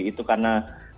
itu karena kebutuhan